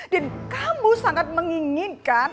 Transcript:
dan kamu sangat menginginkan